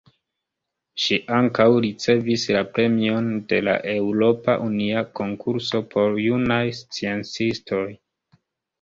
Ŝi ankaŭ ricevis la Premion de la Eŭropa Unia Konkurso por Junaj Sciencistoj.